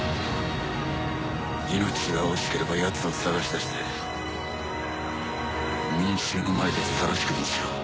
命が惜しければ奴を捜し出して民衆の前でさらし首にしろ。